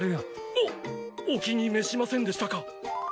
おっお気に召しませんでしたか？